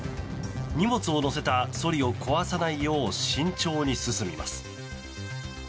荷物を載せたそりを壊さないよう慎重に進みます。